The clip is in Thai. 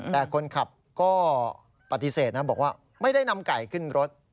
แต่คนขับก็ปฏิเสธนะบอกว่าไม่ได้นำไก่ขึ้นรถ